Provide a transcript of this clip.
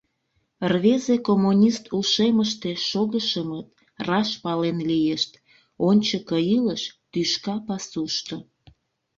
Рвезе коммунист ушемыште шогышымыт раш пален лийышт: ончыко илыш — тӱшка пасушто.